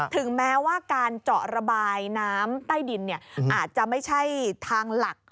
ถึงแม้ว่าการเจาะระบายน้ำใต้ดินอาจจะไม่ใช่ทางหลัก